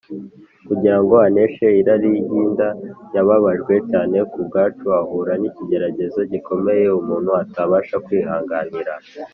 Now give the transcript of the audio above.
. Kugira ngo aneshe irari ry’inda, yababajwe cyane ku bwacu ahura n’ikigeragezo gikomeye umuntu atabasha kwihanganira